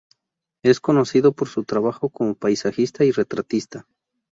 Es conocido por su trabajo como paisajista y retratista.